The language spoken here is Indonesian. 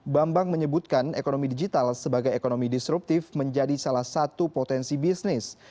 bambang menyebutkan ekonomi digital sebagai ekonomi disruptif menjadi salah satu potensi bisnis